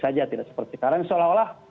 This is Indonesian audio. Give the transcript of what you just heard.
saja tidak seperti sekarang seolah olah